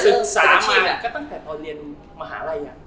ศึกษามาก็ตั้งแต่พอเรียนมหาลัยเนี่ย